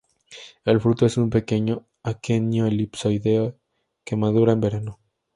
El fruto es un pequeño aquenio elipsoide que madura en verano.